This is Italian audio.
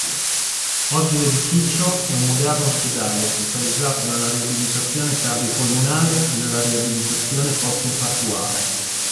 Oggi l'edificio è un moderno ospedale specializzato nella riabilitazione cardiopolmonare e nella riabilitazione post-infartuale.